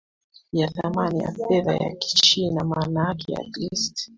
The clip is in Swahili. ya thamani ya fedha ya kichina maanake at least